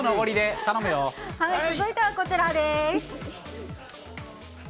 続いてはこちらです。